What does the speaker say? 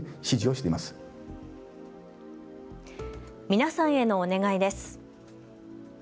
皆さんへのお願いです。